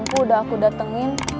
mampu udah aku datengin